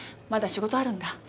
まだ仕事あるんだ。